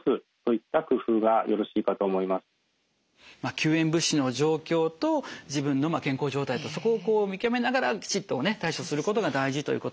救援物資の状況と自分の健康状態とそこを見極めながらきちっと対処することが大事ということなんですね。